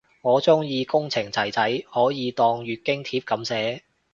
我鍾意工程仔仔可以當月經帖噉寫